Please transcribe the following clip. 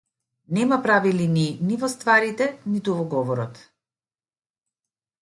Нема прави линии, ни во стварите, ниту во говорот.